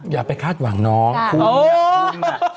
อย่าไปคาดหวังน้องคุณอยากคุณนะ